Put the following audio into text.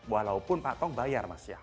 walaupun pak tong bayar extraordinario